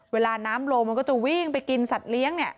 เวลาน้ำลงมันก็จะวิ่งไปกินสัตว์เลี้ยงเนี่ย